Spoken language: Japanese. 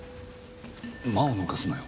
「マ」を抜かすなよ。